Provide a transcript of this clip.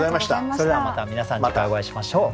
それではまた皆さん次回お会いしましょう。